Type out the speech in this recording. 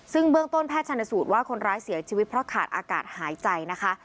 ซึ่งเบื้องต้นแพทย์ชนสูตรว่าคนร้ายเสียชีวิตเพราะขาดอากาศหายใจนะคะ